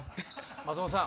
松本さん！